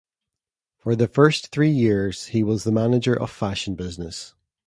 For the first three years he was the manager of fashion business.